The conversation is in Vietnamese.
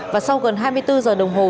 và sau gần hai mươi bốn giờ đồng hồ